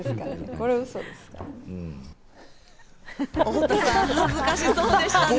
太田さん、恥ずかしそうでしたね。